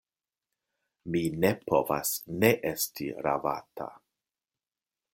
Mi ne povas ne esti ravata.